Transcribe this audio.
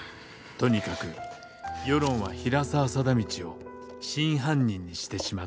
とにかく世論は平沢貞通を「真犯人」にしてしまった。